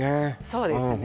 そうですね